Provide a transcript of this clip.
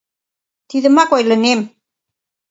— Тидымак ойлынем.